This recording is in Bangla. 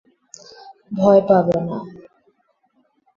ভয় পাবে না।